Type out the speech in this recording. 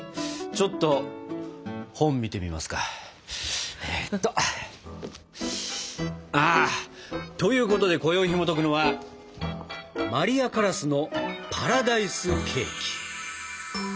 ちょっと本見てみますか。ということでこよいひもとくのは「マリア・カラスのパラダイスケーキ」。